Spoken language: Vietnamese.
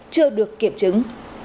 chưa được kiểm chứng